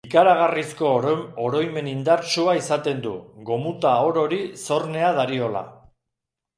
Ikaragarrizko oroimen indartsua izaten du, gomuta orori zornea dariola.